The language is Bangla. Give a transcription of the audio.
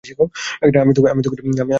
আমি দুঃখিত, থর।